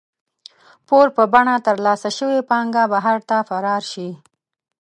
پور په بڼه ترلاسه شوې پانګه بهر ته فرار شي.